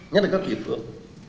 nhất là các kỳ phưởng